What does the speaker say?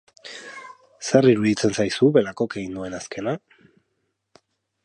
Zer iruditzen zaizu Belakok egin duen azkena?